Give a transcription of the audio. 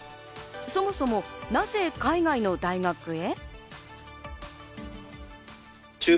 そもそも、なぜ海外の大学へ？